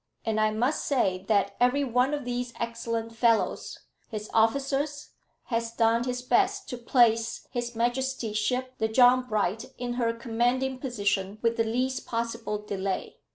And I must say that every one of these excellent fellows, his officers, has done his best to place H.M. ship the John Bright in her commanding position with the least possible delay."